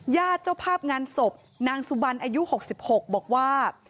เจ้าภาพงานศพนางสุบันอายุ๖๖บอกว่า